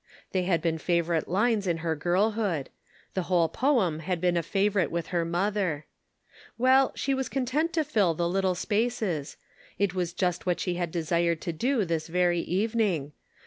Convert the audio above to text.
They had been favorite lines in her girlhood ; the whole poem had been a favorite Subtle Distinctions. 143 with her mother. Well, she was content to fill the little spaces ; it was what she had desired to do this very evening.